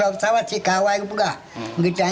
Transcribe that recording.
pesawat ini berawal dari sini